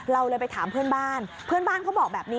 เราเลยไปถามเพื่อนบ้านเพื่อนบ้านเขาบอกแบบนี้